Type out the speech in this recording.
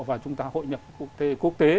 và chúng ta hội nhập quốc tế